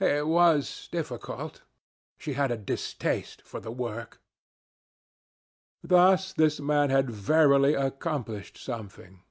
It was difficult. She had a distaste for the work.' This man had verily accomplished something.